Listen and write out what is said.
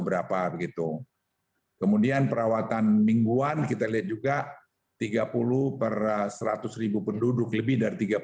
berapa begitu kemudian perawatan mingguan kita lihat juga tiga puluh per seratus ribu penduduk lebih dari tiga puluh